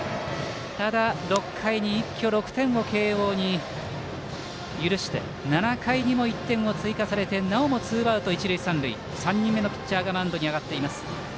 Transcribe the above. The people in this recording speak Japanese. ただ６回に一挙６点を慶応に許して７回にも１点を追加されてなおもツーアウト、一塁三塁３人目のピッチャーがマウンドに上がっています。